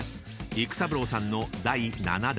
育三郎さんの第７打］